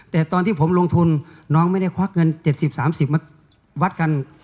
แต่ตอนที่ผมลงทุนน้องไม่ได้ควักเงิน๗๐๓๐มาวัดกัน